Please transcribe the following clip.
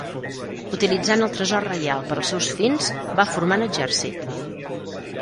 Utilitzant el tresor reial per als seus fins, va formar un exèrcit.